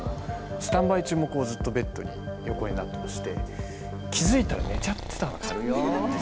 スタンバイ中もずっとベッドに横になってまして気付いたら寝ちゃってたんですよね。